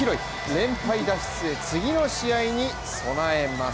連敗脱出へ、次の試合に備えます。